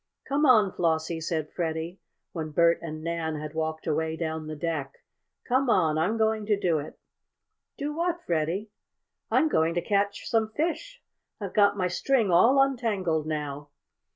"Come on, Flossie," said Freddie, when Bert and Nan had walked away down the deck. "Come on, I'm going to do it." "Do what, Freddie?" "I'm going to catch some fish. I've got my string all untangled now."